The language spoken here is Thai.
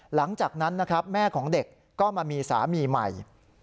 หลังจากนั้นนะครับแม่ของเด็กก็มามีสามีใหม่